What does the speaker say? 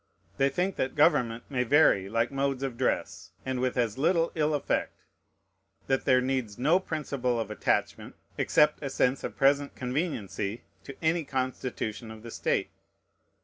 They think that government may vary like modes of dress, and with as little ill effect; that there needs no principle of attachment, except a sense of present conveniency, to any constitution of the state.